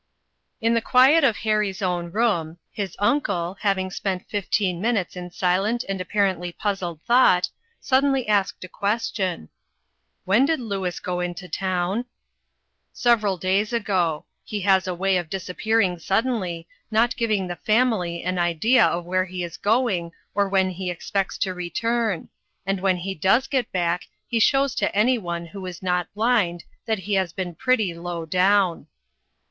IN the quiet of Harry's own room, his uncle having spent fifteen minutes in silent and apparently puzzled thought, sud denly asked a question :" When did Louis go into town ?"" Several days ago. He has a way of disappearing suddenly, not giving the family an idea of where he is going or when he expects to return, and when he does get back he shows to any one who is not blind, that he has been pretty low down."